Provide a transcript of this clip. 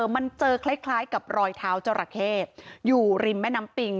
มันเจอคล้ายกับรอยเท้าจราเข้อยู่ริมแม่น้ำปิง